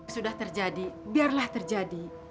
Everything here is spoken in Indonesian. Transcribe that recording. sudah terjadi biarlah terjadi